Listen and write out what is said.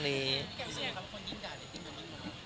จะเรียบเลย